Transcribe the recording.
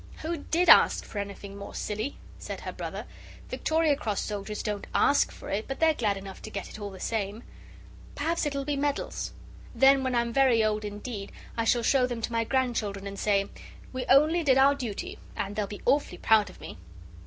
"Who did ask for anything more, silly?" said her brother; "Victoria Cross soldiers don't ASK for it; but they're glad enough to get it all the same. Perhaps it'll be medals. Then, when I'm very old indeed, I shall show them to my grandchildren and say, 'We only did our duty,' and they'll be awfully proud of me."